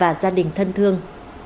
và gia đình thân thương